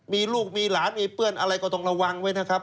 มีลูกมีหลานมีเปื้อนอะไรก็ต้องระวังไว้นะครับ